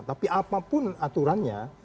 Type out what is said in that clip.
tapi apapun aturannya